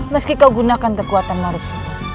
meski kau gunakan kekuatan marus